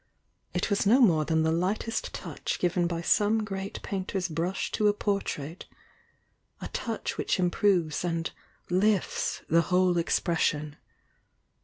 It was no more than the lightest touch given by some great painter's brush to a portrait — a touch which improves and "lifts" the whole expression.